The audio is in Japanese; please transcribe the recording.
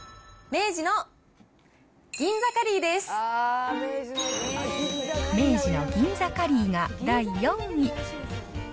明治の銀座カリーが第４位。